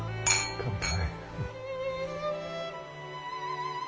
乾杯。